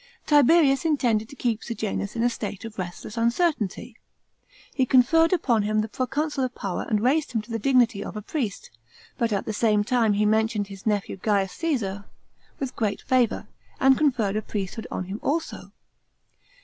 Tiber us intended to keep Sejanus in a state of restless uncertainty. He conferred upon him the proconsular p»wer and raised him to the dignity of a priest, but at the same time he mentioned, his nephew Gams Caesar with great 31 A.IX FALL OF SEJANU8. 208 favour, and conferred a priesthood on him also.